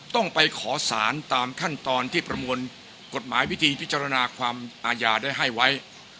ต้องไปขอสารตามขั้นตอนที่ประมวลกฎหมายวิธีพิจารณาความอาญาได้ให้ไว้